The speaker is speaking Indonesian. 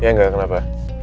iya gak kenapa